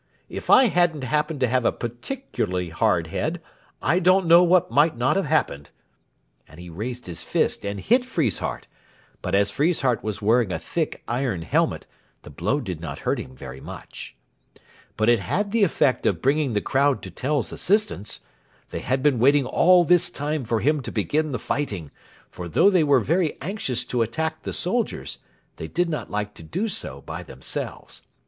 If I hadn't happened to have a particularly hard head I don't know what might not have happened;" and he raised his fist and hit Friesshardt; but as Friesshardt was wearing a thick iron helmet the blow did not hurt him very much. But it had the effect of bringing the crowd to Tell's assistance. They had been waiting all this time for him to begin the fighting, for though they were very anxious to attack the soldiers, they did not like to do so by themselves.